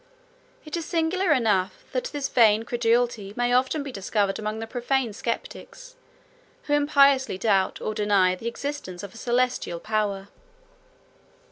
49 It is singular enough, that this vain credulity may often be discovered among the profane sceptics, who impiously doubt, or deny, the existence of a celestial power."